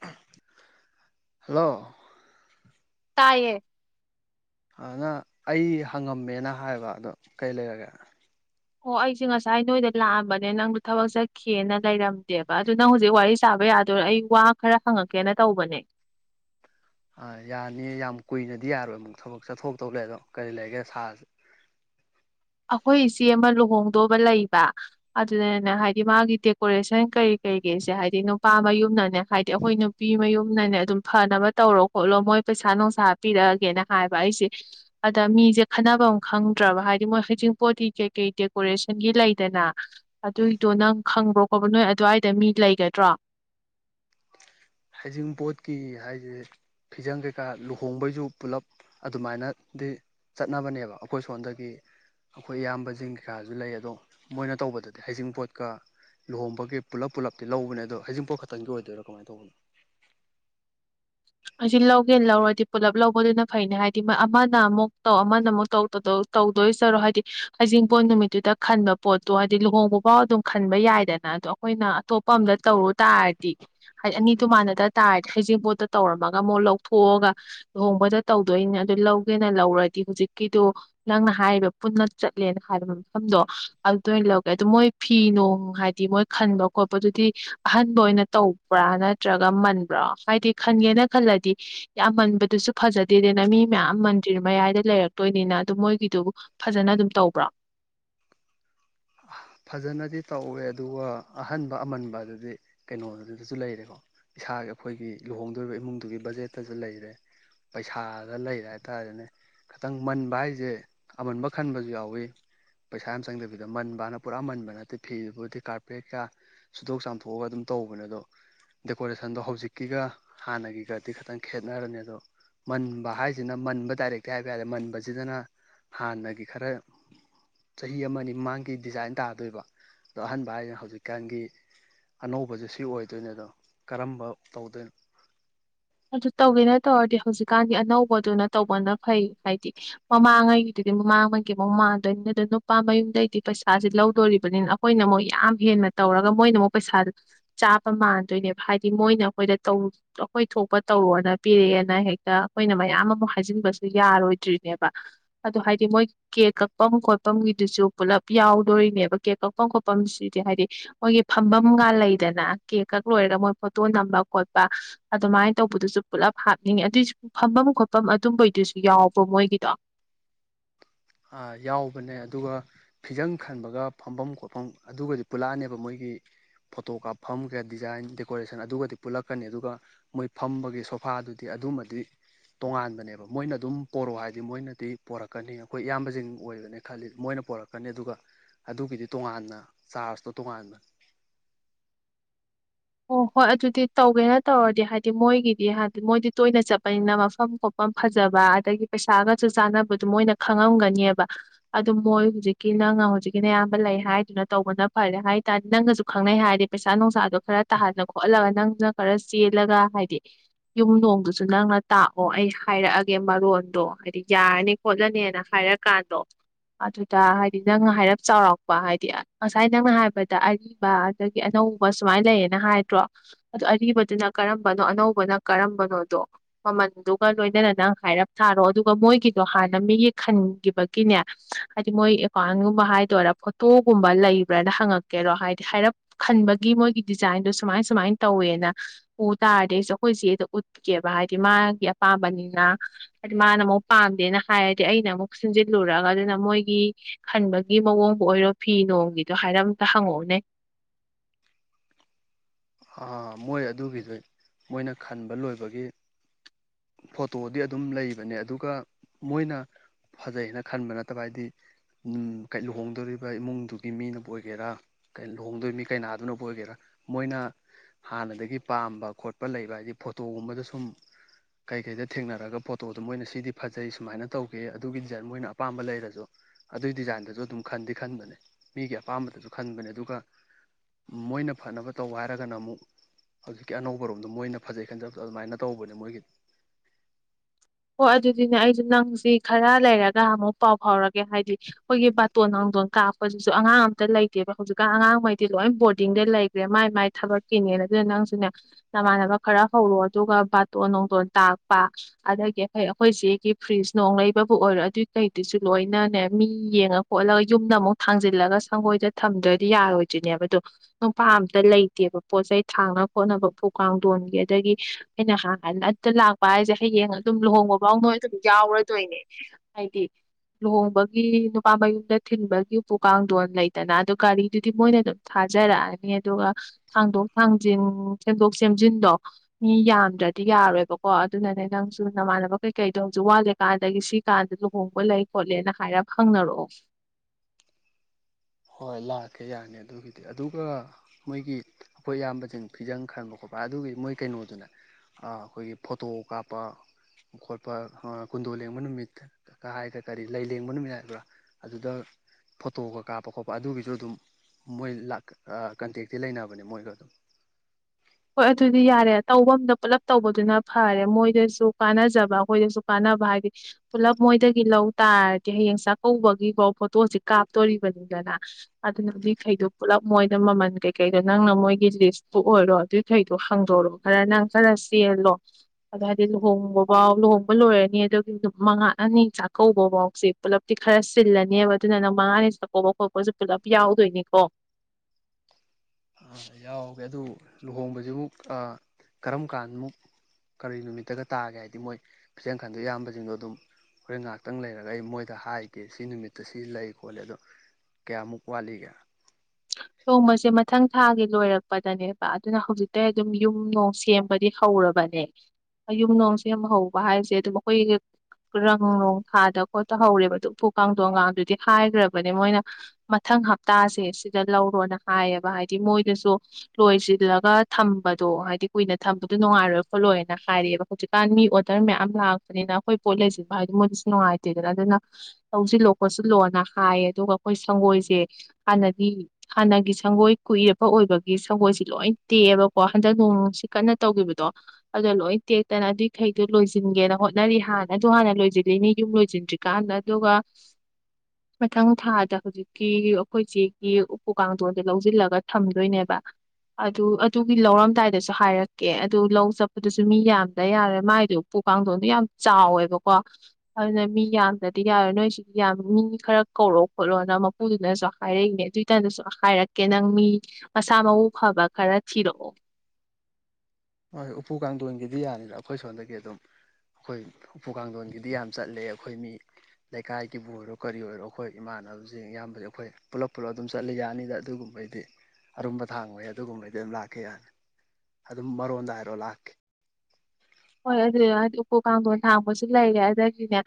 ꯑꯍꯝ ꯍꯜꯂꯣ ꯇꯥꯏꯌꯦ ꯑꯅ ꯑꯩ ꯍꯪꯉꯝꯃꯦꯅ ꯍꯥꯏꯕ ꯑꯗꯣ ꯀꯩ ꯂꯩꯔꯒꯦ ꯑꯣ ꯑꯩꯁꯦ ꯉꯁꯥꯏ ꯅꯣꯏꯗ ꯂꯥꯛꯑꯝꯕꯅꯦ ꯅꯪꯗꯣ ꯊꯕꯛ ꯆꯠꯈꯤꯅ ꯂꯩꯔꯝꯗꯦꯕ ꯑꯗꯨ ꯅꯪ ꯍꯧꯖꯤꯛ ꯋꯥꯔꯤ ꯁꯥꯕ ꯌꯥꯗꯣꯏꯔꯥ ꯑꯩ ꯋꯥ ꯈꯔ ꯈꯪꯉꯛꯀꯦꯅ ꯇꯧꯕꯅꯦ ꯑꯥ ꯌꯥꯅꯤꯌꯦ ꯌꯥꯝ ꯀꯨꯏꯅꯗꯤ ꯌꯥꯔꯣꯏ ꯑꯃꯨꯛ ꯊꯕꯛ ꯆꯠꯊꯣꯛꯇꯧ ꯂꯩ ꯑꯗꯣ ꯀꯔꯤ ꯂꯩꯒꯦ ꯁꯥꯁꯨ ꯑꯩꯈꯣꯏ ꯏꯆꯦ ꯑꯃ ꯂꯨꯍꯣꯡꯗꯕ ꯂꯩꯕ ꯑꯗꯨꯗꯅꯦ ꯍꯥꯏꯗꯤ ꯃꯥꯒꯤ ꯗꯦꯀꯣꯔꯦꯁꯟ ꯀꯔꯤ ꯀꯔꯤꯒꯤꯁꯦ ꯍꯥꯏꯗꯤ ꯅꯨꯄꯥ ꯃꯌꯨꯝꯅꯅꯦ ꯍꯥꯏꯗꯤ ꯑꯩꯈꯣꯏ ꯅꯨꯄꯤ ꯃꯌꯨꯝꯅꯅꯦ ꯑꯗꯨꯝ ꯐꯅꯕ ꯇꯧꯔꯣ ꯈꯣꯠꯂꯣ ꯃꯣꯏ ꯄꯩꯁꯥ ꯅꯨꯡꯁꯥ ꯄꯤꯔꯛꯑꯒꯦꯅ ꯍꯥꯏꯕ ꯑꯩꯁꯦ ꯑꯗ ꯃꯤꯁꯦ ꯈꯟꯅꯕꯝ ꯈꯪꯗ꯭ꯔꯕ ꯍꯥꯏꯗꯤ ꯃꯣꯏ ꯆꯤꯡꯄꯣꯠ ꯀꯩ ꯀꯩ ꯗꯦꯀꯣꯔꯦꯁꯟꯒꯤ ꯂꯩꯗꯅ ꯑꯗꯨꯏꯗꯣ ꯅꯪ ꯈꯪꯕ꯭ꯔꯣ ꯈꯣꯕ ꯅꯣꯏ ꯑꯗꯨꯋꯥꯏꯗ ꯃꯤ ꯂꯩꯒꯗ꯭ꯔꯣ ꯍꯩꯖꯤꯡꯄꯣꯠꯀꯤ ꯍꯥꯏꯁꯦ ꯐꯤꯖꯪ ꯀꯩꯀꯥ ꯂꯨꯍꯣꯡꯕꯩꯁꯨ ꯄꯨꯂꯞ ꯑꯗꯨꯃꯥꯏꯅꯗꯤ ꯆꯠꯅꯕꯅꯦꯕ ꯑꯩꯈꯣꯏ ꯁꯣꯝꯗꯒꯤ ꯑꯩꯈꯣꯏ ꯏꯌꯥꯝꯕꯁꯤꯡ ꯀꯩꯀꯥꯁꯨ ꯂꯩ ꯑꯗꯣ ꯃꯣꯏꯅ ꯇꯧꯕꯗꯗꯤ ꯍꯩꯖꯤꯡꯄꯣꯠꯀ ꯂꯨꯍꯣꯡꯕꯒꯤ ꯄꯨꯜꯂꯞ ꯄꯨꯜꯂꯞꯇꯤ ꯂꯧꯕꯅꯦ ꯑꯗꯣ ꯍꯩꯖꯤꯡꯄꯣꯠ ꯈꯛꯇꯪꯒꯤ ꯑꯣꯏꯗꯣꯏꯔꯣ ꯀꯃꯥꯏꯅ ꯇꯧꯕꯅꯣ ꯑꯩꯁꯤ ꯂꯧꯒꯦꯅ ꯂꯧꯔꯗꯤ ꯄꯨꯜꯂꯞ ꯂꯧꯕꯗꯨꯅ ꯐꯩꯅꯦ ꯍꯥꯏꯗꯤ ꯑꯃꯅ ꯑꯃꯨꯛ ꯇꯧ ꯑꯃꯅ ꯑꯃꯨꯛ ꯇꯧ ꯇꯧꯗꯣꯏ ꯆꯔꯣ ꯍꯥꯏꯗꯤ ꯍꯩꯖꯤꯡꯕꯣꯠ ꯅꯨꯃꯤꯠꯇꯨꯗ ꯈꯟꯕ ꯄꯣꯠꯇꯣ ꯍꯥꯏꯗꯤ ꯂꯨꯍꯣꯡꯕꯐꯥꯎ ꯑꯗꯨꯝ ꯈꯟꯕ ꯌꯥꯏꯗꯅ ꯑꯗꯣ ꯑꯩꯈꯣꯏꯅ ꯑꯇꯣꯞꯄ ꯑꯝꯗ ꯇꯧꯔꯨ ꯇꯥꯔꯗꯤ ꯍꯥꯏꯗꯤ ꯑꯅꯤꯗꯨ ꯃꯥꯟꯅꯗ ꯇꯥꯔꯗꯤ ꯍꯩꯖꯤꯡꯕꯣꯠꯇ ꯇꯧꯔꯝꯃꯒ ꯑꯃꯨꯛ ꯂꯧꯊꯣꯛꯑꯒ ꯂꯨꯍꯣꯡꯕꯗ ꯇꯧꯗꯣꯏꯅꯤ ꯑꯗꯨ ꯂꯧꯒꯦꯅ ꯂꯧꯔꯗꯤ ꯍꯧꯖꯤꯛꯀꯤꯗꯨ ꯅꯪꯅ ꯍꯥꯏꯔꯤꯕ ꯄꯨꯟꯅ ꯆꯠꯂꯦꯅ ꯍꯥꯏꯕ ꯃꯐꯝꯗꯣ ꯑꯗꯨꯗ ꯑꯣꯏꯅ ꯂꯧꯒꯦ ꯑꯗꯨ ꯃꯣꯏ ꯐꯤ ꯅꯣꯡ ꯍꯥꯏꯗꯤ ꯃꯣꯏ ꯈꯟꯕ ꯈꯣꯠꯄꯗꯨꯗꯤ ꯑꯍꯟꯕ ꯑꯣꯏꯅ ꯇꯧꯕ꯭ꯔꯥ ꯅꯠꯇ꯭ꯔꯒ ꯃꯟꯕ꯭ꯔꯥ ꯍꯥꯏꯗꯤ ꯈꯟꯒꯦꯅ ꯈꯜꯂꯗꯤ ꯌꯥꯝꯃꯟꯕꯗꯨꯁꯨ ꯐꯖꯗꯦꯗꯅ ꯃꯤ ꯃꯌꯥꯝ ꯃꯟꯗ꯭ꯔꯤ ꯃꯌꯥꯏꯗ ꯂꯩꯔꯛꯇꯣꯏꯅꯤꯅ ꯑꯗꯨ ꯃꯣꯏꯒꯤꯗꯨꯕꯨ ꯐꯖꯅ ꯑꯗꯨꯝ ꯇꯧꯕ꯭ꯔꯣ ꯐꯖꯅꯗꯤ ꯇꯧꯋꯦ ꯑꯗꯨꯒ ꯑꯍꯟꯕ ꯑꯃꯟꯕ ꯑꯗꯨꯗꯤ ꯀꯩꯅꯣ ꯑꯗꯨꯗꯁꯨ ꯂꯩꯔꯦꯀꯣ ꯏꯁꯥꯒꯤ ꯑꯩꯈꯣꯏꯒꯤ ꯂꯨꯍꯣꯡꯗꯣꯔꯤꯕ ꯏꯃꯨꯡꯗꯨꯒꯤ ꯕꯖꯦꯠꯇꯁꯨ ꯂꯩꯔꯦ ꯄꯩꯁꯥꯗ ꯂꯩꯔꯦ ꯍꯥꯏꯇꯥꯥꯔꯦꯅꯦ ꯈꯤꯇꯪ ꯃꯟꯕ ꯍꯥꯏꯁꯦ ꯑꯃꯟꯕ ꯈꯟꯕꯁꯨ ꯌꯥꯎꯋꯤ ꯄꯩꯁꯥ ꯌꯥꯝ ꯆꯪꯗꯕꯤꯗ ꯃꯟꯕ ꯄꯨꯔꯥ ꯃꯟꯕ ꯅꯠꯇꯦ ꯐꯤꯗꯨꯕꯨꯗꯤ ꯀꯥꯔꯄꯦꯠꯀ ꯁꯨꯠꯇꯣꯛ ꯆꯥꯝꯊꯣꯛꯑꯒ ꯑꯗꯨꯝ ꯇꯧꯕꯅꯦ ꯑꯗꯣ ꯗꯦꯀꯣꯔꯦꯁꯟꯗꯣ ꯍꯧꯖꯤꯛꯀꯤꯒ ꯍꯥꯟꯅꯒꯤꯒꯗꯤ ꯈꯤꯇꯪ ꯈꯦꯠꯅꯔꯅꯤ ꯑꯗꯣ ꯃꯟꯕ ꯍꯥꯏꯁꯤꯅ ꯃꯟꯕ ꯗꯥꯏꯔꯦꯛꯇꯤ ꯍꯥꯏꯕ ꯌꯥꯔꯦ ꯃꯟꯕꯁꯤꯗꯅ ꯍꯥꯟꯅꯒꯤ ꯈꯔ ꯆꯍꯤ ꯑꯃꯅꯤ ꯃꯥꯃꯥꯡꯒꯤ ꯗꯤꯖꯥꯏꯟ ꯇꯥꯗꯣꯏꯕ ꯑꯗꯣ ꯑꯍꯥꯟꯕ ꯍꯥꯏꯁꯤꯅ ꯍꯧꯖꯤꯛꯀꯥꯟꯒꯤ ꯑꯅꯧꯕꯁꯦ ꯁꯤ ꯑꯣꯏꯗꯣꯏꯅꯦ ꯑꯗꯣ ꯀꯔꯝꯕ ꯇꯧꯗꯣꯏꯅꯣ ꯑꯗꯨ ꯇꯧꯒꯦꯅ ꯇꯧꯔꯗꯤ ꯍꯧꯖꯤꯛꯀꯥꯟꯗꯤ ꯑꯅꯧꯕꯗꯨꯅ ꯇꯧꯕꯅ ꯐꯩ ꯍꯥꯏꯗꯤ ꯃꯃꯥꯡꯉꯩꯒꯤꯗꯨꯗꯤ ꯃꯃꯥꯡꯉꯩꯒꯤ ꯑꯃꯨꯛ ꯃꯥꯟꯗꯣꯏꯅꯤ ꯑꯗꯨꯗ ꯅꯨꯄꯥ ꯃꯌꯨꯝꯗꯩꯗꯤ ꯄꯩꯁꯥꯥꯁ ꯂꯧꯗꯣꯔꯤꯕꯅꯤꯅ ꯑꯩꯈꯣꯏꯅ ꯑꯃꯨꯛ ꯌꯥꯝ ꯍꯦꯟꯅ ꯇꯧꯔꯒ ꯃꯣꯏꯅ ꯑꯃꯨꯛ ꯄꯩꯁꯥ ꯆꯥꯕ ꯃꯥꯟꯗꯣꯏꯅꯦꯕ ꯍꯥꯏꯗꯤ ꯃꯣꯏꯅ ꯑꯩꯈꯣꯏꯗꯧ ꯑꯩꯈꯣꯏ ꯊꯣꯛ ꯀ ꯇꯧꯔꯣꯅ ꯄꯤꯔꯛꯑꯦꯅ ꯍꯦꯛꯇ ꯑꯩꯈꯣꯏꯅ ꯃꯌꯥꯝ ꯑꯃꯨꯛ ꯍꯥꯏꯖꯤꯟꯕꯁꯨ ꯌꯥꯔꯣꯏꯗ꯭ꯔꯤꯅꯦꯕ ꯑꯗꯨ ꯍꯥꯏꯗꯤ ꯃꯣꯏ ꯀꯦꯛ ꯀꯛꯐꯝ ꯈꯣꯠꯐꯝꯒꯤꯗꯨꯁꯨ ꯄꯨꯜꯂꯞ ꯌꯥꯎꯗꯣꯔꯤꯅꯦꯕ ꯀꯦꯛ ꯀꯛꯐꯝ ꯈꯣꯠꯐꯝꯁꯤꯗꯤ ꯍꯥꯏꯗꯤ ꯃꯣꯏꯒꯤ ꯐꯝꯐꯝꯒ ꯂꯩꯗꯅ ꯀꯦꯛ ꯀꯛ ꯂꯣꯏꯔꯒ ꯃꯣꯏ ꯐꯣꯇꯣ ꯅꯝꯕ ꯈꯣꯠꯄ ꯑꯗꯨꯃꯥꯏꯅ ꯇꯧꯕꯗꯨꯁꯨ ꯄꯨꯜꯂꯞ ꯍꯥꯞꯅꯤꯡꯉꯤ ꯑꯗꯨꯏꯁꯨ ꯐꯝꯐꯝ ꯈꯣꯠꯐꯝ ꯑꯗꯨꯝꯕꯒꯤꯗꯨꯁꯨ ꯌꯥꯎꯕ ꯃꯣꯏꯒꯤꯗꯣ ꯌꯥꯎꯕꯅꯦ ꯑꯗꯨꯒ ꯐꯤꯖꯪ ꯈꯟꯕꯒ ꯐꯝꯐꯝ ꯈꯣꯠꯐꯝ ꯑꯗꯨꯒꯗꯤ ꯄꯨꯜꯂꯛꯑꯅꯦꯕ ꯃꯣꯏꯒꯤ ꯐꯣꯇꯣ ꯀꯥꯞꯐꯝꯒ ꯗꯤꯖꯥꯏꯟ ꯗꯦꯀꯣꯔꯦꯁꯟ ꯑꯗꯨꯒꯗꯤ ꯄꯨꯜꯂꯛꯀꯅꯤ ꯑꯗꯨꯒ ꯃꯣꯏ ꯐꯝꯕꯒꯤ ꯁꯣꯐꯥꯗꯨꯗꯤ ꯑꯗꯨꯃꯗꯤ ꯇꯣꯉꯥꯟꯕꯅꯦꯕ ꯃꯣꯏꯅ ꯑꯗꯨꯝ ꯄꯣꯔꯛꯑꯣ ꯍꯥꯏꯗꯤ ꯃꯣꯏꯅꯗꯤ ꯄꯣꯔꯛꯀꯅꯤ ꯑꯩꯈꯣꯏ ꯏꯌꯥꯝꯕꯁꯤꯡ ꯑꯣꯏꯒꯅꯤ ꯈꯜꯂꯤ ꯃꯣꯏꯅ ꯄꯣꯔꯛꯀꯅꯤ ꯑꯗꯨꯒ ꯑꯗꯨꯒꯤꯗꯤ ꯇꯣꯉꯥꯟꯅ ꯆꯥꯔꯖꯇꯣ ꯇꯣꯉꯥꯟꯅ ꯑꯣ ꯍꯣꯏ ꯑꯗꯨꯗꯤ ꯇꯧꯒꯦꯅ ꯇꯧꯔꯗꯤ ꯍꯥꯏꯗꯤ ꯃꯣꯏꯒꯤꯗꯤ ꯍꯥꯏꯗꯤ ꯃꯣꯏꯗꯤ ꯇꯣꯏꯅ ꯆꯠꯄꯅꯤꯅ ꯃꯐꯝ ꯈꯣꯠꯐꯝ ꯐꯖꯕ ꯑꯗꯒꯤ ꯄꯩꯁꯥꯒꯁꯨ ꯆꯥꯟꯅꯕꯗ ꯃꯣꯏꯅ ꯈꯪꯉꯝꯒꯅꯦꯕ ꯑꯗꯨ ꯃꯣꯏ ꯍꯧꯖꯤꯛꯀꯤ ꯅꯪꯅ ꯍꯧꯖꯤꯛꯀꯤꯅ ꯑꯌꯥꯝꯕ ꯂꯩ ꯍꯥꯏꯗꯨꯅ ꯇꯧꯕꯅ ꯐꯔꯦ ꯍꯥꯏ ꯇꯥꯔꯗꯤ ꯅꯪꯒꯁꯨ ꯈꯪꯅꯩ ꯍꯥꯏꯔꯗꯤ ꯄꯩꯁꯥ ꯅꯨꯡꯁꯥꯗꯣ ꯈꯔ ꯇꯥꯍꯜꯟꯅ ꯈꯣꯠꯍꯜꯂꯒ ꯅꯪꯅ ꯈꯔ ꯆꯦꯜꯂꯒ ꯍꯥꯏꯗꯤ ꯌꯨꯝ ꯅꯣꯡꯗꯨꯁꯨ ꯅꯪꯅ ꯇꯥꯛꯑꯣ ꯑꯩ ꯍꯥꯏꯔꯛꯑꯒꯦ ꯃꯔꯣꯟꯗꯣ ꯍꯥꯏꯗꯤ ꯌꯥꯔꯅꯤ ꯈꯣꯠꯂꯅꯤꯅ ꯍꯥꯏꯔꯀꯥꯟꯗꯣ ꯑꯗꯨꯗ ꯍꯥꯏꯗꯤ ꯅꯪꯅ ꯍꯥꯏꯔꯞ ꯆꯥꯎꯔꯥꯛꯄ ꯍꯥꯏꯗꯤ ꯉꯁꯥꯏ ꯅꯪꯅ ꯍꯥꯏꯕꯗ ꯑꯔꯤꯕ ꯑꯗꯒꯤ ꯑꯅꯧꯕ ꯁꯨꯃꯥꯏꯅ ꯂꯩꯌꯦꯅ ꯅ ꯍꯥꯏꯗ꯭ꯔꯣ ꯑꯗꯨ ꯑꯔꯤꯕꯗꯨꯅ ꯀꯔꯝꯕꯅꯣ ꯑꯅꯧꯕꯅ ꯀꯔꯝꯕꯅꯣꯗꯣ ꯃꯃꯜꯗꯨꯒ ꯂꯣꯏꯅꯅ ꯅꯪ ꯍꯥꯏꯔꯞ ꯊꯥꯔꯣ ꯑꯗꯨꯒ ꯃꯣꯏꯒꯤꯗꯣ ꯍꯥꯟꯅ ꯃꯤꯒꯤ ꯈꯟꯈꯤꯕꯒꯤꯅꯦ ꯍꯥꯏꯗꯤ ꯃꯣꯏ ꯑꯦꯀꯥꯎꯟꯒꯨꯝꯕ ꯍꯥꯏꯗꯣꯏꯔꯥ ꯐꯣꯇꯣꯒꯨꯝꯕ ꯂꯩꯕ꯭ꯔꯅ ꯍꯪꯉꯛꯀꯦꯔꯣ ꯍꯥꯏꯗꯤ ꯍꯥꯏꯔꯞ ꯈꯟꯕꯒꯤ ꯃꯣꯏꯒꯤ ꯗꯤꯖꯥꯏꯟꯗꯣ ꯁꯨꯃꯥꯏ ꯁꯨꯃꯥꯏꯅ ꯇꯧꯋꯦꯅ ꯎ ꯇꯥꯔꯗꯤ ꯑꯩꯁꯨ ꯑꯩꯈꯣꯏꯁꯦꯗ ꯎꯠꯀꯦꯕ ꯍꯥꯏꯗꯤ ꯃꯥꯒꯤ ꯑꯄꯥꯝꯕꯅꯤꯅ ꯍꯥꯏꯗꯤ ꯃꯥꯅ ꯑꯃꯨꯛ ꯄꯥꯝꯗꯦꯅ ꯍꯥꯏꯔꯗꯤ ꯑꯩꯅ ꯑꯃꯨꯛ ꯁꯤꯟꯖꯤꯜꯂꯨꯔꯒ ꯑꯗꯨꯅ ꯃꯣꯏꯒꯤ ꯈꯟꯕꯒꯤ ꯃꯑꯣꯡꯕꯨ ꯑꯣꯏꯔꯣ ꯐꯤ ꯅꯣꯡꯒꯤꯗꯣ ꯍꯥꯏꯅ ꯑꯝꯇ ꯍꯪꯉꯛꯎꯅꯦ ꯃꯣꯏ ꯑꯗꯨꯒꯤꯗꯨ ꯃꯣꯏꯅ ꯈꯟꯕ ꯂꯣꯏꯕꯒꯤ ꯐꯣꯇꯣꯗꯤ ꯑꯗꯨꯝ ꯂꯩꯕꯅꯦ ꯑꯗꯨꯒ ꯃꯣꯏꯅ ꯐꯖꯩꯅ ꯈꯟꯕ ꯅꯠꯇꯕ ꯍꯥꯏꯗꯤ ꯂꯨꯍꯣꯡꯗꯣꯔꯤꯕ ꯏꯃꯨꯡꯗꯨꯒꯤ ꯃꯤꯅꯕꯨ ꯑꯣꯏꯒꯦꯔꯥ ꯂꯨꯍꯣꯡꯗꯣꯔꯤꯕ ꯃꯤ ꯀꯩꯅꯥꯗꯨꯅꯕꯨ ꯑꯣꯏꯒꯦꯔꯥ ꯃꯣꯏꯅ ꯍꯥꯟꯅꯗꯒꯤ ꯄꯥꯝꯕ ꯈꯣꯠꯄ ꯂꯩꯕ ꯍꯥꯏꯗꯤ ꯐꯣꯇꯣꯒꯨꯝꯕꯗ ꯁꯨꯝ ꯀꯩꯀꯩꯗ ꯊꯦꯡꯅꯔꯒ ꯐꯣꯇꯣꯗꯣ ꯃꯣꯏꯅ ꯁꯤꯗꯤ ꯐꯖꯩ ꯁꯨꯃꯥꯏꯅ ꯇꯧꯒꯦ ꯑꯗꯨꯒꯤ ꯗꯤꯖꯥꯏꯟ ꯃꯣꯏꯅ ꯑꯄꯥꯝꯕ ꯂꯩꯔꯁꯨ ꯑꯗꯨꯒꯤ ꯗꯤꯖꯥꯏꯟꯗꯁꯨ ꯑꯗꯨꯝ ꯈꯟꯗꯤ ꯈꯟꯕꯅꯦ ꯃꯤꯒꯤ ꯑꯄꯥꯝꯕꯗꯁꯨ ꯈꯟꯕꯅꯦ ꯑꯗꯨꯒ ꯃꯣꯏꯅ ꯐꯅꯕ ꯇꯧ ꯍꯥꯏꯔꯒꯅ ꯑꯃꯨꯛ ꯍꯧꯖꯤꯛꯀꯤ ꯑꯅꯧꯕꯔꯣꯝꯗꯣ ꯃꯣꯏꯅ ꯐꯖꯩ ꯈꯟꯖꯕ ꯑꯗꯨꯃꯥꯏꯅ ꯇꯧꯕꯅꯦ ꯃꯣꯏꯒꯤ ꯍꯣꯏ ꯑꯗꯨꯗꯤꯅꯦ ꯑꯩꯁꯨ ꯅꯪꯁꯤ ꯈꯔ ꯂꯩꯔꯒ ꯑꯃꯨꯛ ꯄꯥꯎ ꯐꯥꯎꯔꯒꯦ ꯍꯥꯏꯗꯤ ꯑꯩꯈꯣꯏꯒꯤ ꯕꯥꯇꯣꯟ ꯅꯨꯡꯇꯣꯟ ꯀꯥꯞꯄꯁꯤꯁꯨ ꯑꯉꯥꯡ ꯑꯝꯇ ꯂꯩꯇꯦꯕ ꯍꯧꯖꯤꯛꯀꯥꯟ ꯑꯉꯥꯡꯉꯩꯗꯤ ꯂꯣꯏ ꯕꯣꯔꯗꯤꯡꯗ ꯂꯩꯈ꯭ꯔꯦ ꯃꯥꯏ ꯃꯥꯏ ꯊꯕꯛꯀꯤꯅꯦꯅ ꯑꯗꯨꯅ ꯅꯪꯁꯨꯅꯦ ꯅꯃꯥꯟꯅꯕ ꯈꯔ ꯍꯧꯔꯣ ꯑꯗꯨꯒ ꯕꯥꯇꯣꯟ ꯅꯨꯡꯗꯣꯟ ꯇꯥꯛꯄ ꯑꯗꯒꯤ ꯩ ꯑꯩꯈꯣꯏ ꯆꯦꯒꯤ ꯐ꯭ꯔꯤꯖ ꯅꯨꯡ ꯂꯩꯕꯕꯨ ꯑꯣꯏꯔꯣ ꯑꯗꯨꯏ ꯀꯩꯗꯨꯁꯨ ꯂꯣꯏꯅꯅꯦ ꯃꯤ ꯌꯦꯡꯉ ꯈꯣꯠꯂꯒ ꯌꯨꯝꯗ ꯑꯃꯨꯛ ꯊꯥꯡꯖꯤꯜꯂꯒ ꯁꯪꯒꯣꯏꯗ ꯊꯝꯗ꯭ꯔꯗꯤ ꯌꯥꯔꯣꯏꯗꯣꯏꯅꯦꯕ ꯑꯗꯣ ꯅꯨꯄꯥ ꯑꯝꯇ ꯂꯩꯇꯦꯕ ꯄꯣꯠ ꯆꯩ ꯊꯥꯡꯅ ꯈꯣꯠꯅꯕ ꯐꯨ ꯀꯥꯡꯊꯣꯟꯒꯤ ꯑꯗꯒꯤ ꯑꯩꯅꯥꯟ ꯑꯇ ꯂꯥꯛꯄ ꯍꯥꯏꯁꯦ ꯍꯌꯦꯡ ꯑꯗꯨꯝ ꯂꯨꯍꯣꯡꯕꯐꯥꯎ ꯅꯣꯏ ꯑꯗꯨꯝ ꯌꯥꯎꯔꯗꯣꯏꯅꯦ ꯍꯥꯏꯗꯤ ꯂꯨꯍꯣꯡꯕꯒꯤ ꯅꯨꯄꯥ ꯃꯌꯨꯝꯗ ꯊꯤꯟꯕꯒꯤ ꯎꯄꯨ ꯀꯥꯡꯗꯣꯟ ꯂꯩꯗꯅ ꯑꯗꯨ ꯒꯥꯔꯤꯗꯨꯗꯤ ꯃꯣꯏꯅ ꯑꯗꯨꯝ ꯊꯥꯖꯔꯛꯑꯅꯤ ꯑꯗꯨꯒ ꯊꯥꯡꯗꯣꯛ ꯊꯥꯡꯖꯤꯟ ꯁꯦꯝꯗꯣꯛ ꯁꯦꯝꯖꯤꯟꯗꯣ ꯃꯤ ꯌꯥꯝꯗ꯭ꯔꯗꯤ ꯌꯥꯔꯣꯏꯕꯀꯣ ꯑꯗꯨꯅꯅꯦ ꯅꯪ ꯑꯗꯨ ꯅꯃꯥꯟꯅꯕ ꯀꯩꯀꯩꯗꯣ ꯍꯧꯖꯤꯛ ꯋꯥꯠꯂꯦꯀꯥꯟꯗꯒꯤ ꯁꯤ ꯀꯥꯟꯗ ꯂꯨꯍꯣꯡꯕ ꯂꯩ ꯈꯣꯠꯂꯦꯅ ꯍꯥꯏꯔ ꯐꯪꯅꯔꯛꯑꯣ ꯍꯣꯏ ꯂꯥꯛꯀꯦ ꯌꯥꯅꯤ ꯑꯗꯨꯒꯤꯗꯤ ꯑꯗꯨꯒ ꯃꯣꯏꯒꯤ ꯑꯩꯈꯣꯏ ꯑꯌꯥꯝꯕꯁꯤꯡ ꯐꯤꯖꯪ ꯈꯟꯕ ꯈꯣꯠꯄ ꯑꯗꯨꯒꯤ ꯃꯣꯏ ꯀꯩꯅꯣꯗꯨꯅꯦ ꯑꯩꯈꯣꯏꯒꯤ ꯐꯣꯇꯣ ꯀꯥꯞꯄ ꯈꯣꯠꯄ ꯀꯨꯟꯗꯣ ꯂꯦꯡꯕ ꯅꯨꯃꯤꯠ ꯀ ꯍꯥꯏꯒ ꯀꯔꯤ ꯂꯩ ꯂꯦꯡꯕ ꯅꯨꯃꯤꯠ ꯍꯥꯏꯕ꯭ꯔꯥ ꯑꯗꯨꯗ ꯐꯣꯇꯣꯒ ꯀꯥꯞꯄ ꯂꯄ ꯈꯣꯠꯄ ꯑꯗꯨꯒꯤꯁꯨ ꯑꯗꯨꯝ ꯃꯣꯏ ꯀꯟꯇꯦꯛꯇꯤ ꯂꯩꯅꯕꯅꯦ ꯃꯣꯏꯒ ꯑꯗꯨꯝ ꯍꯣꯏ ꯑꯗꯨꯗꯤ ꯌꯥꯔꯦ ꯇꯧꯕ ꯑꯗ ꯄꯨꯜꯂꯞ ꯇꯧꯕꯗꯨꯅ ꯐꯔꯦ ꯃꯣꯏꯗꯁꯨ ꯀꯥꯟꯅꯖꯕ ꯑꯩꯈꯣꯏꯗꯁꯨ ꯀꯥꯟꯅꯕ ꯍꯥꯏꯗꯤ ꯄꯨꯜꯂꯞ ꯃꯣꯏꯗꯒꯤ ꯂꯧ ꯇꯥꯔꯗꯤ ꯍꯌꯦꯡ ꯆꯥꯛꯀꯧꯕꯒꯤꯐꯥꯎ ꯐꯣꯇꯣꯁꯤ ꯀꯥꯞꯇꯣꯔꯤꯕꯅꯤꯗꯅ ꯑꯗꯨꯅ ꯑꯗꯨꯏꯈꯩꯗꯣ ꯄꯨꯜꯂꯞ ꯃꯣꯏꯅ ꯃꯃꯜ ꯀꯩꯀꯩꯗꯣ ꯅꯪꯅ ꯃꯣꯏꯒꯤ ꯂꯤꯁꯇꯨ ꯑꯣꯏꯔꯣ ꯑꯗꯨꯏ ꯀꯩꯗꯣ ꯍꯥꯡꯗꯣꯔꯛꯣ ꯈꯔ ꯅꯪ ꯈꯔ ꯆꯦꯜꯂꯣ ꯑꯗꯨ ꯍꯥꯏꯗꯤ ꯂꯨꯍꯣꯡꯕꯐꯥꯎ ꯂꯨꯍꯣꯡꯕ ꯂꯣꯏꯔꯅꯤ ꯑꯗꯨꯒꯤ ꯑꯗꯨꯝ ꯃꯉꯥ ꯑꯅꯤ ꯆꯥꯛꯀꯧꯕꯐꯥꯎꯁꯦ ꯄꯨꯜꯂꯞꯇꯤ ꯈꯔ ꯁꯤꯜꯂꯅꯦꯕ ꯑꯗꯨꯅ ꯅꯪ ꯃꯉꯥ ꯑꯅꯤ ꯆꯥꯛꯀꯧꯕ ꯈꯣꯠꯄꯁꯨ ꯄꯨꯂꯞ ꯌꯥꯎꯗꯣꯏꯅꯤꯀꯣ ꯑ ꯌꯥꯎꯒꯦ ꯑꯗꯨ ꯂꯨꯍꯣꯡꯕꯁꯤꯃꯨꯛ ꯀꯔꯝ ꯀꯥꯟꯃꯨꯛ ꯀꯔꯤ ꯅꯨꯃꯤꯠꯇꯒ ꯇꯥꯒꯦ ꯍꯥꯏꯕꯗꯤ ꯃꯣꯏ ꯐꯤꯖꯦꯟ ꯀꯥꯟꯗꯣ ꯏꯌꯥꯝꯕꯁꯤꯡꯗꯣ ꯑꯗꯨꯝ ꯍꯣꯔꯦꯟ ꯉꯥꯏꯍꯥꯛꯇꯪ ꯂꯩꯔꯒ ꯑꯩ ꯃꯣꯏꯗ ꯍꯥꯏꯒꯦ ꯁꯤ ꯅꯨꯃꯤꯠꯇ ꯁꯤ ꯂꯩ ꯈꯣꯠꯂ ꯑꯗꯣ ꯀꯌꯥꯃꯨꯛ ꯋꯥꯠꯂꯤꯒꯦ ꯅꯣꯡꯃꯁꯦ ꯃꯊꯪ ꯊꯥꯒꯤ ꯂꯣꯏꯔꯛꯄꯗꯅꯦꯕ ꯑꯗꯨꯅ ꯍꯧꯖꯤꯛꯇꯇꯩ ꯑꯗꯨꯝ ꯌꯨꯝ ꯅꯣꯡ ꯁꯦꯝꯕꯗꯤ ꯍꯧꯔꯕꯅꯦ ꯌꯨꯝ ꯅꯣꯡ ꯁꯦꯝꯕ ꯍꯧꯕ ꯍꯥꯏꯁꯦ ꯑꯗꯨꯝ ꯑꯩꯈꯣꯏ ꯔꯪ ꯅꯣꯡ ꯊꯥꯗ ꯈꯣꯠꯇ ꯍꯧꯔꯦꯕ ꯑꯗꯨ ꯎꯝꯐꯨ ꯀꯥꯡꯊꯣꯡꯒꯗꯨꯗꯤ ꯍꯥꯏꯈ꯭ꯔꯕꯅꯦ ꯃꯣꯏꯅ ꯃꯊꯪ ꯍꯞꯇꯥꯁꯦ ꯁꯤꯗ ꯂꯧꯔꯣꯅ ꯍꯥꯏꯌꯦꯕ ꯍꯥꯏꯗꯤ ꯃꯣꯏꯗꯁꯨ ꯂꯣꯏꯁꯤꯜꯂꯒ ꯊꯝꯕꯗꯣ ꯍꯥꯏꯗꯤ ꯀꯨꯏꯅ ꯊꯝꯕꯗꯣ ꯅꯨꯡꯉꯥꯏꯔꯣꯏ ꯈꯣꯠꯂꯣꯏꯅ ꯍꯥꯏꯔꯛꯑꯦꯕ ꯍꯧꯖꯤꯛꯀꯥꯟ ꯃꯤ ꯑꯣꯗꯔ ꯃꯌꯥꯝ ꯂꯥꯛꯄꯅꯤꯅ ꯑꯩꯈꯣꯏ ꯄꯣꯠ ꯂꯩꯁꯤꯟꯕ ꯍꯥꯏꯗꯤ ꯃꯣꯏꯗꯁꯨ ꯅꯨꯡꯉꯥꯏꯇꯦꯗꯅ ꯑꯗꯨꯅ ꯂꯧꯁꯤꯜꯂꯣ ꯈꯣꯠꯁꯤꯤꯜꯂꯣꯅ ꯍꯥꯏꯌꯦ ꯑꯗꯨꯒ ꯑꯩꯈꯣꯏ ꯁꯪꯒꯣꯏꯁꯦ ꯍꯥꯟꯅꯗꯤ ꯍꯥꯟꯅꯒꯤ ꯁꯪꯒꯣꯏ ꯀꯨꯏꯔꯕ ꯑꯣꯏꯕꯒꯤ ꯁꯪꯒꯣꯏꯁꯤ ꯂꯣꯏ ꯇꯦꯛꯑꯦꯕꯀꯣ ꯍꯟꯗꯛ ꯅꯨꯡꯁꯤ ꯀꯟꯅ ꯇꯧꯈꯤꯕꯗꯣ ꯑꯗꯣ ꯂꯣꯏ ꯇꯦꯛꯇꯅ ꯑꯗꯨꯏꯈꯩꯗꯣ ꯂꯣꯏꯁꯤꯟꯒꯦꯅ ꯍꯣꯠꯅꯔꯤ ꯍꯥꯟꯅ ꯑꯗꯨ ꯍꯥꯟꯅ ꯂꯣꯏꯁꯤꯜꯂꯤꯅꯤ ꯌꯨꯝ ꯂꯣꯏꯁꯤꯟꯗ꯭ꯔꯤꯀꯥꯟꯗ ꯑꯗꯨꯒ ꯃꯊꯪ ꯊꯥꯗ ꯍꯧꯖꯤꯛꯀꯤ ꯑꯩꯈꯣꯏꯁꯤꯦꯒꯤ ꯄꯨꯨ ꯀꯥꯡꯊꯣꯟꯗꯨꯣ ꯂꯧꯁꯤꯜꯂꯒ ꯊꯝꯗꯣꯏꯅꯦꯕ ꯑꯗꯨ ꯑꯗꯨꯒꯤ ꯂꯧꯔꯝꯗꯥꯏꯗꯁꯨ ꯍꯥꯏꯔꯛꯀꯦ ꯑꯗꯨ ꯂꯧ ꯆꯠꯄꯗꯨꯁꯨ ꯃꯤ ꯌꯥꯝꯗ ꯌꯥꯔꯣꯏ ꯃꯥꯏꯗꯨꯣ ꯄꯨꯨ ꯀꯥꯡꯊꯣꯟꯗꯨꯣ ꯌꯥꯝ ꯆꯥꯎꯋꯦꯕꯀꯣ ꯑꯗꯨꯅ ꯃꯤ ꯌꯥꯝꯗ꯭ꯔꯗꯤ ꯌꯥꯔꯣꯏ ꯅꯣꯏꯁꯤꯗꯤ ꯌꯥꯝ ꯃꯤ ꯈꯔ ꯀꯧꯔꯣ ꯈꯣꯠꯂꯣꯅ ꯃꯄꯨꯗꯨꯅꯁꯨ ꯍꯥꯏꯔꯛꯏꯅꯦ ꯑꯗꯨꯏ ꯇꯅꯁꯨ ꯍꯥꯏꯔꯛꯀꯦ ꯅꯪ ꯃꯤ ꯃꯁꯥ ꯃꯎ ꯐꯕ ꯈꯔ ꯊꯤꯔꯛꯑꯣ ꯍꯣꯏ ꯎꯄꯨ ꯀꯥꯡꯊꯣꯟꯒꯤꯗꯤ ꯌꯥꯅꯤꯗ ꯑꯩꯈꯣꯏ ꯁꯣꯝꯗꯒꯤ ꯑꯗꯨꯝ ꯑꯩꯈꯣꯏ ꯎꯄꯨ ꯀꯥꯡꯊꯣꯟꯒꯤꯗꯤ ꯌꯥꯝ ꯆꯠꯂꯦ ꯑꯩꯈꯣꯏ ꯃꯤ ꯂꯩꯀꯥꯏꯒꯤꯕꯨ ꯑꯣꯏꯔꯣ ꯀꯔꯤ ꯑꯣꯏꯔꯣ ꯑꯩꯈꯣꯏ ꯏꯃꯥꯟꯅꯕꯁꯤꯡ ꯏꯌꯥꯝꯕꯗꯤ ꯑꯩꯈꯣꯏ ꯄꯨꯜꯂꯞ ꯄꯨꯂꯞ ꯑꯗꯨꯝ ꯆꯠꯂꯦ ꯌꯥꯅꯤꯗ ꯑꯗꯨꯒꯨꯝꯕꯩꯗꯤ ꯑꯔꯨꯝꯕ ꯊꯥꯡ ꯑꯣꯏ ꯑꯗꯨꯒꯨꯝꯕꯩꯗꯤ ꯑꯗꯨꯝ ꯂꯥꯛꯀꯦ ꯌꯥꯅꯤ ꯃꯔꯑꯣꯗ ꯍꯥꯏꯔꯣ ꯂꯥꯛꯦ ꯍꯣꯏ ꯑꯗꯨ ꯍꯥꯏꯗꯤ ꯎꯄꯨ ꯀꯥꯡꯊꯣꯟ ꯊꯥꯡꯕꯁꯨ ꯂꯩꯔꯦ ꯑꯗꯒꯤꯅꯦ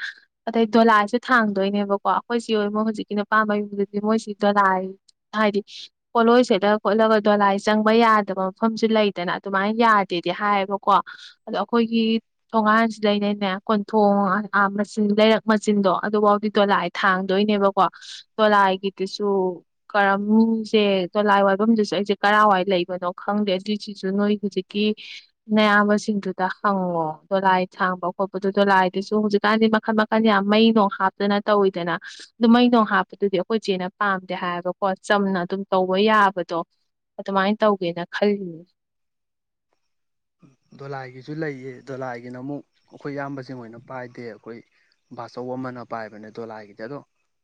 ꯑꯗꯩ ꯗꯣꯂꯥꯏꯁꯨ ꯊꯥꯡꯗꯣꯏꯅꯦꯕꯀꯣ ꯑꯩꯈꯣꯏꯁꯤ ꯑꯣꯏꯨꯣ ꯍꯧꯖꯤꯛꯀꯤꯅ ꯄꯥꯝꯕꯩ ꯌꯨꯝꯗꯗꯤ ꯃꯣꯏꯁꯤ ꯗꯣꯂꯥꯏ ꯍꯥꯏꯗꯤ ꯄꯣꯠꯂꯣꯏ ꯁꯦꯠꯂ ꯈꯣꯠꯂꯒ ꯗꯣꯂꯥꯏ ꯆꯪꯕ ꯌꯥꯗꯕ ꯃꯐꯝꯁꯨ ꯂꯩꯗꯅ ꯑꯗꯨꯃꯥꯏꯅ ꯌꯥꯗꯦꯗꯤ ꯍꯥꯏꯌꯦꯕꯀꯣ ꯑꯗꯣ ꯑꯩꯈꯣꯏꯒꯤ ꯊꯣꯡꯉꯥꯟꯁꯤ ꯂꯩꯅꯩꯅꯦ ꯀꯣꯟꯊꯣꯡ ꯃꯆꯤꯟ ꯂꯩꯔꯛ ꯃꯆꯤꯟꯗꯣ ꯑꯗꯨꯐꯥꯎꯗꯤ ꯗꯣꯂꯥꯏ ꯊꯥꯡꯗꯣꯏꯅꯦꯕꯀꯣ ꯗꯣꯂꯥꯏꯒꯤꯗꯨꯁꯨ ꯀꯔꯝꯁꯦ ꯗꯣꯂꯥꯏ ꯋꯥꯏꯐꯝꯗꯨꯁꯨ ꯑꯩꯁꯦ ꯀꯔꯥꯏꯋꯥꯏ ꯂꯩꯕꯅꯣ ꯈꯪꯗꯦ ꯑꯗꯨꯏꯁꯤꯁꯨ ꯅꯣꯏ ꯍꯧꯖꯤꯛꯀꯤ ꯑꯌꯥꯝꯕꯁꯤꯡꯗꯨ ꯇ ꯍꯪꯉꯣ ꯗꯣꯂꯥꯏ ꯊꯥꯡꯕ ꯈꯣꯠꯄꯗ ꯗꯣꯂꯥꯏꯗꯨꯁꯨ ꯍꯧꯖꯤꯛꯀꯥꯟꯗꯤ ꯃꯈꯟ ꯃꯈꯟ ꯌꯥꯝ ꯃꯩ ꯣꯡ ꯍꯥꯞꯇꯅ ꯇꯧꯋꯤꯗꯅ ꯑꯗꯨ ꯃꯩ ꯅꯣꯡ ꯍꯥꯞꯄꯗꯨꯗꯤ ꯑꯩꯈꯣꯏ ꯏꯆꯦꯅ ꯄꯥꯝꯗꯦ ꯍꯥꯏꯕꯀꯣ ꯆꯝꯅ ꯑꯗꯨꯝ ꯇꯧꯕ ꯌꯥꯕꯗꯣ ꯑꯗꯨꯃꯥꯏꯅ ꯇꯧꯒꯦꯅ ꯈꯜꯂꯤꯅꯦ ꯗꯣꯂꯥꯏꯒꯤꯁꯨ ꯂꯩꯌꯦ ꯗꯣꯂꯥꯏꯒꯤꯅ ꯑꯃꯨꯛ ꯑꯩꯈꯣꯏ ꯏꯌꯥꯝꯕꯁꯤꯡ ꯑꯣꯏꯅ ꯄꯥꯏꯗꯦ ꯑꯩꯈꯣꯏ ꯕꯥꯆꯧ ꯑꯃꯅ ꯄꯥꯏꯕꯅꯦ ꯗꯣꯂꯥꯏꯒꯤꯗꯤ ꯑꯗꯣ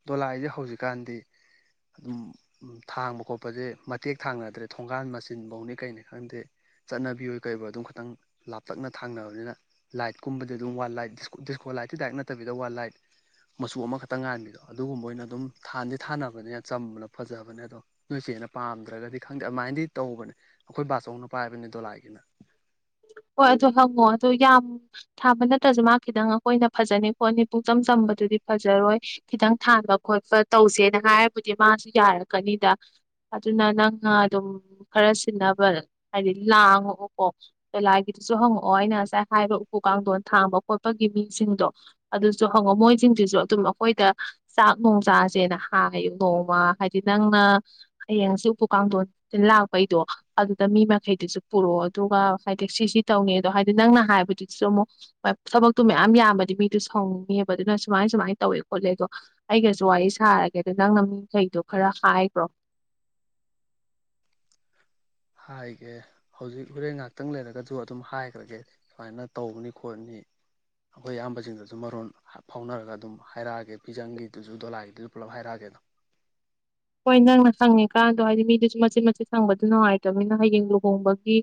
ꯗꯣꯂꯥꯏꯁꯦ ꯍꯧꯖꯤꯛꯀꯥꯟꯗꯤ ꯑꯗꯨꯝ ꯊꯥꯡꯕ ꯈꯣꯠꯄꯁꯦ ꯃꯇꯦꯛ ꯊꯥꯡꯅꯗ꯭ꯔꯦ ꯊꯣꯡꯒꯥꯟ ꯃꯆꯤꯟꯐꯧꯅꯤ ꯀꯩꯅꯤ ꯈꯪꯗꯦ ꯆꯠꯅꯕꯤ ꯀꯩꯕ ꯑꯗꯨꯝ ꯈꯇꯪ ꯂꯥꯞꯇꯛꯅ ꯊꯥꯡꯅꯕꯅꯤꯅ ꯂꯥꯏꯠꯀꯨꯝꯕꯗꯤ ꯑꯗꯨꯝ ꯋꯥꯟ ꯂꯥꯏꯠ ꯗꯤꯁꯀꯣ ꯂꯥꯏꯠꯇꯤ ꯗꯥꯏꯔꯤꯛ ꯅꯠꯇꯕꯤꯗ ꯋꯥꯟ ꯂꯥꯏꯠ ꯃꯆꯨ ꯑꯃꯈꯛꯇꯪ ꯉꯥꯟꯕꯤꯗꯣ ꯑꯗꯨꯒꯨꯝꯕ ꯑꯣꯏꯅ ꯑꯗꯨꯝ ꯊꯥꯟꯗꯤ ꯊꯥꯅꯕꯅꯤꯅ ꯆꯝꯕꯅ ꯐꯖꯕꯅꯦ ꯑꯗꯣ ꯅꯣꯏ ꯆꯦꯅ ꯄꯥꯝꯗ꯭ꯔꯒꯗꯤ ꯈꯪꯗꯦ ꯑꯗꯨꯃꯥꯏꯅꯗꯤ ꯇꯧꯕꯅꯦ ꯑꯩꯈꯣꯏ ꯕꯥꯆꯧꯅ ꯄꯥꯏꯕꯅꯦ ꯗꯣꯂꯥꯏꯒꯤꯅ ꯍꯣꯏ ꯑꯗꯨ ꯍꯪꯉꯣ ꯑꯗꯨ ꯌꯥꯝ ꯊꯥꯕ ꯅꯠꯇ꯭ꯔꯁꯨ ꯃꯥ ꯈꯤꯇꯪ ꯑꯩꯈꯣꯏꯅ ꯐꯖꯅꯤ ꯈꯣꯠꯅꯤ ꯄꯨꯨꯡꯆꯝ ꯆꯝꯕꯗꯨꯗꯤ ꯐꯖꯔꯣꯏ ꯈꯤꯇꯪ ꯊꯥꯟꯕ ꯈꯣꯠꯄ ꯇꯧꯁꯦꯅ ꯍꯥꯏꯔꯕꯨꯗꯤ ꯃꯥꯁꯨ ꯌꯥꯔꯛꯀꯅꯤꯗ ꯑꯗꯨꯅ ꯅꯪꯅ ꯑꯗꯨꯝ ꯈꯔ ꯁꯤꯟꯅꯕ ꯍꯥꯏꯗꯤ ꯂꯥꯡꯉꯛꯑꯣꯀꯣ ꯀꯂꯥꯏꯒꯤꯗꯨꯁꯨ ꯍꯪꯉꯛꯑꯣ ꯑꯩꯅ ꯉꯁꯥꯏ ꯍꯥꯏꯔꯤꯕ ꯎꯄꯨ ꯀꯥꯡꯊꯣꯟ ꯊꯥꯡꯕ ꯈꯣꯠꯄꯒꯤ ꯃꯤꯁꯤꯡꯗꯣ ꯑꯗꯨꯁꯨ ꯍꯪꯉꯛꯑꯣ ꯃꯣꯏꯁꯤꯡꯁꯤꯁꯨ ꯑꯗꯨꯝ ꯑꯩꯈꯣꯏꯗ ꯆꯥꯛ ꯣꯡ ꯆꯥꯁꯦꯅ ꯍꯥꯏ ꯅꯣꯡꯃ ꯍꯥꯏꯗꯤ ꯅꯪꯅ ꯍꯌꯦꯡꯁꯤ ꯎꯄꯨ ꯀꯥꯡꯊꯣꯟ ꯂꯥꯛꯄꯩꯗꯣ ꯑꯗꯨꯗ ꯃꯤ ꯃꯈꯩꯗꯨꯁꯨ ꯄꯨꯔꯛꯑꯣ ꯑꯗꯨꯒ ꯍꯥꯏꯗꯤ ꯁꯤꯁꯤ ꯇꯧꯅꯤ ꯑꯗꯣ ꯍꯥꯏꯗꯤ ꯅꯪꯅ ꯍꯥꯏꯕꯗꯨꯗꯁꯨ ꯑꯃꯨꯛ ꯊꯕꯛꯇꯨ ꯃꯌꯥꯝ ꯌꯥꯝꯕꯗꯤ ꯃꯤꯗꯨ ꯁꯥꯎꯉꯦꯕ ꯑꯗꯨꯅ ꯁꯨꯃꯥꯏ ꯁꯨꯃꯥꯏꯅ ꯇꯧꯋꯦ ꯈꯣꯠꯂꯦ ꯑꯗꯣ ꯑꯩꯒꯁꯨ ꯋꯥꯔꯤ ꯁꯥꯔꯒꯦ ꯑꯗ ꯅꯪꯅ ꯃꯤꯈꯩꯗꯣ ꯈꯔ ꯍꯥꯏꯈ꯭ꯔꯣ ꯍꯥꯏꯒꯦ ꯍꯧꯖꯤꯛ ꯍꯣꯔꯦꯟ ꯉꯥꯏꯍꯥꯛꯇꯪ ꯂꯩꯔꯒꯁꯨ ꯑꯗꯨꯝ ꯍꯥꯏꯈ꯭ꯔꯒꯦ ꯁꯨꯃꯥꯏꯅ ꯇꯧꯕꯅꯤ ꯈꯣꯠꯅꯤ ꯑꯩꯈꯣꯏ ꯑꯌꯥꯝꯕꯁꯤꯡꯗꯁꯨ ꯃꯔꯣꯟ ꯐꯥꯎꯅꯔꯒ ꯑꯗꯨꯝ ꯍꯥꯏꯔꯛꯑꯒꯦ ꯐꯤꯖꯪꯒꯤꯗꯨꯁꯨ ꯗꯣꯂꯥꯏꯒꯤꯗꯨꯁꯨ ꯄꯨꯂꯞ ꯍꯥꯏꯔꯛꯑꯒꯦꯗ ꯍꯣꯏ ꯅꯪꯅ ꯈꯪꯉꯦ ꯀꯥꯟꯗ ꯍꯥꯏꯗꯤ ꯃꯤꯗꯨꯁꯨ ꯃꯆꯦꯠ ꯃꯆꯦꯠ ꯍꯪꯕꯗ ꯅꯨꯡꯉꯥꯏꯇꯕꯅꯤꯅ ꯍꯌꯦꯡ ꯂꯨꯍꯣꯡꯕꯒꯤ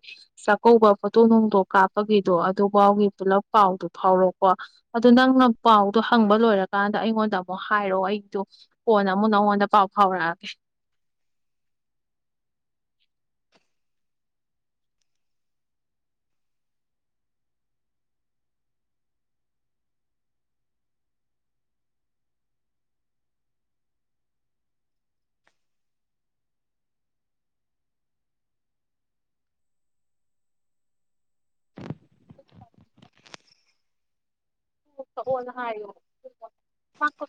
ꯆꯥꯛꯀꯧꯕ ꯐꯣꯇꯣꯛ ꯅꯨꯡꯗꯣꯛ ꯀꯥꯞꯄꯒꯤꯗꯣ ꯑꯗꯨꯐꯥꯎꯒꯤ ꯄꯨꯂꯞ ꯄꯥꯎꯗꯨ ꯐꯥꯎꯔꯣꯀꯣ ꯑꯗꯨꯣ ꯅꯪꯅ ꯄꯥꯎꯗꯣ ꯍꯪꯕ ꯂꯣꯏꯔꯀꯥꯟꯗ ꯑꯩꯉꯣꯟꯗ ꯑꯃꯨꯛ ꯍꯥꯏꯔꯣꯑꯣ ꯑꯩꯗꯣ ꯐꯣꯟ ꯑꯃꯨꯛ ꯅꯪꯉꯣꯟꯗ ꯄꯥꯎ ꯍꯥꯎꯔ ꯑꯣ ꯍꯔ ꯀ